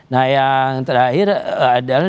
nah yang terakhir adalah